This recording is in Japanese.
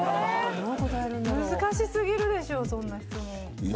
難しすぎるでしょそんな質問。